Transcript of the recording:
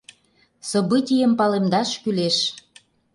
Событийым палемдаш кӱлеш.